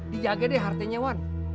dijaga deh hartanya wan